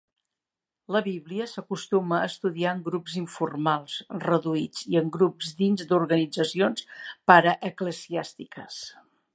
La Bíblia s'acostuma a estudiar en grups informals reduïts i en grups dins d'organitzacions paraeclesiàstiques.